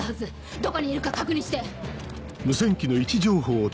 どこにいるか確認して！